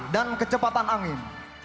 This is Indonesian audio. dan kecepatan angin